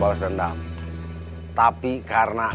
kalau kerja sama ada gini